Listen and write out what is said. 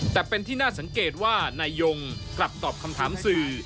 แต่เป็นที่น่าสังเกตว่านายยงกลับตอบคำถามสื่อ